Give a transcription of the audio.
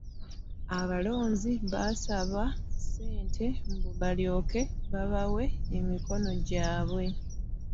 Abalonzi babasaba ssente mbu balyoke babawe emikono gyabwe.